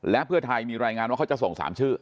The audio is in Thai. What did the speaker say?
และเพื่อไทยมีรายงานว่าเขาจะส่ง๓ชื่อ